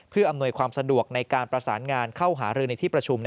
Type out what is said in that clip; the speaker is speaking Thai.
เพื่ออำนวยความสะดวกในการประสานงานเข้าหารือในที่ประชุม